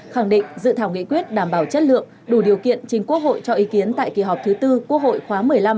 khẳng định dự thảo nghị quyết đảm bảo chất lượng đủ điều kiện chính quốc hội cho ý kiến tại kỳ họp thứ tư quốc hội khóa một mươi năm